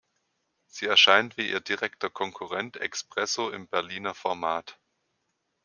Sie erscheint wie ihr direkter Konkurrent Expresso im Berliner Format.